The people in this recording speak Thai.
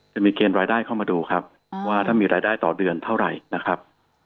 จะมีเกณฑ์รายได้เข้ามาดูครับว่าถ้ามีรายได้ต่อเดือนเท่าไหร่นะครับ